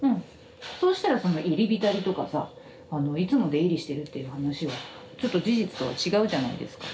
そうしたらその入り浸りとかさあのいつも出入りしてるっていう話はちょっと事実とは違うじゃないですか。